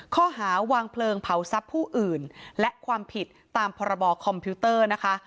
ข้อหาวางเพลิงเผาทรัพย์ผู้อื่นและความผิดตามพรบคอมพิวเตอร์นะคะ